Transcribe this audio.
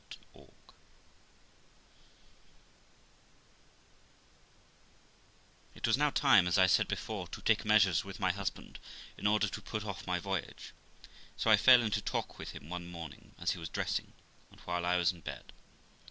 It was now time, as I said before, to take measures with my husband in order to put off my voyage; so I fell into talk with him one morning as he was dressing, and while I was in bed.